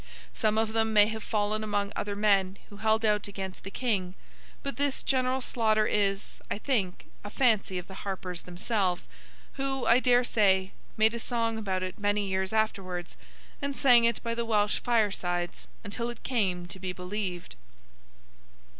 Some of them may have fallen among other men who held out against the King; but this general slaughter is, I think, a fancy of the harpers themselves, who, I dare say, made a song about it many years afterwards, and sang it by the Welsh firesides until it came to be believed.